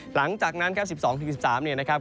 หลังจากนั้นครับ๑๒๑๓เนี่ยนะครับ